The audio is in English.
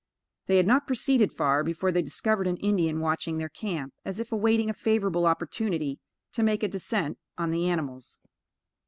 They had not proceeded far before they discovered an Indian watching their camp, as if awaiting a favorable opportunity to make a descent on the animals.